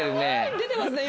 出てますね今。